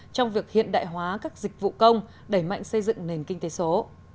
trong việc hiện đại hóa các dịch vụ công đẩy mạnh xây dựng nền kinh tế số